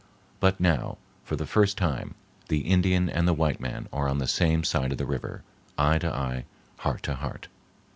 But now, for the first time, the Indian and the white man are on the same side of the river, eye to eye, heart to heart.